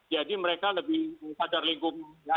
jadi mereka lebih sadar lingkungan